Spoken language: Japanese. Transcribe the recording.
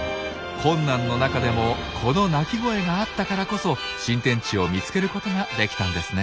困難の中でもこの鳴き声があったからこそ新天地を見つけることができたんですね。